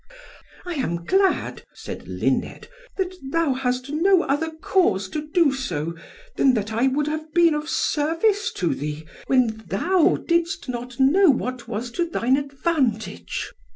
"I am glad," said Luned, "that thou hast no other cause to do so, than that I would have been of service to thee when thou didst not know what was to thine advantage.